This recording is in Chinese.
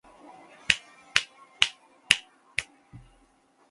小明今晚应该有空。